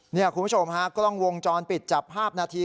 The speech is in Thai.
นี่คุณผู้ชมฮะกล้องวงจรปิดจับภาพนาที